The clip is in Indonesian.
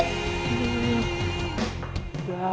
semuanya udah ngumpul